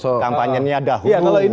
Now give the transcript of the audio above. soal tim kampanye nya dahulu